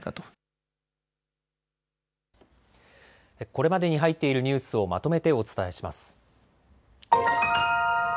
これまでに入っているニュースをまとめてお伝えします。